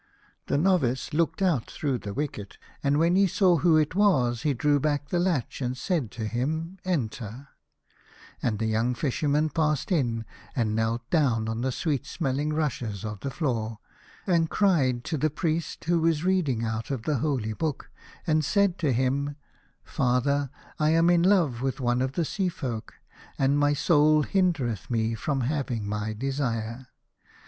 The novice looked out through the wicket, and when he saw who it was, he drew back the latch and said to him, " Enter." 6 9 A House of Pomegranates. And the young Fisherman passed in, and knelt down on the sweet smelling rushes of the floor, and cried to the Priest who was reading out of the Holy Book and said to him, " Father, I am in love with one of the Sea folk, and my soul hindereth me from having my desire.